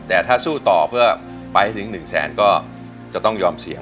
แต่ถ้าสู้ต่อเพื่อไปให้ถึง๑แสนก็จะต้องยอมเสี่ยง